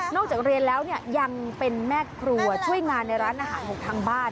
จากเรียนแล้วเนี่ยยังเป็นแม่ครัวช่วยงานในร้านอาหารของทางบ้าน